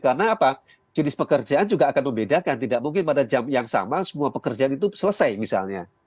karena apa jenis pekerjaan juga akan membedakan tidak mungkin pada jam yang sama semua pekerjaan itu selesai misalnya